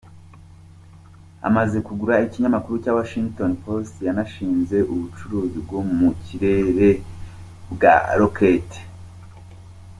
Amaze kugura ikinyamakuru cya Washington Post, yanashinze ubucuruzi bwo mu kirere bwa "rocket.